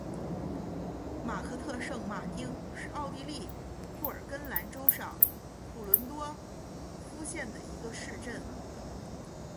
马克特圣马丁是奥地利布尔根兰州上普伦多夫县的一个市镇。